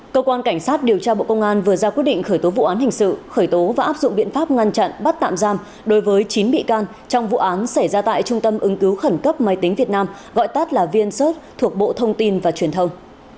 cơ quan cảnh sát điều tra bộ công an vừa ra quyết định khởi tố vụ án hình sự khởi tố và áp dụng biện pháp ngăn chặn bắt tạm giam đối với chín bị can trong vụ án xảy ra tại trung tâm ứng cứu khẩn cấp máy tính việt nam gọi tắt là vncert thuộc bộ thông tin và truyền thông